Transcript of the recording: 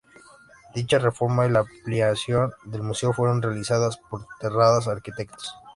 Dicha reforma y la ampliación del Museo fueron realizadas por Terradas Arquitectos.